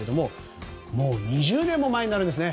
もう２０年も前になるんですね。